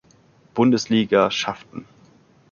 Bundesliga schafften.